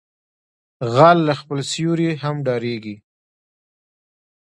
غل له خپل سيوري هم ډاریږي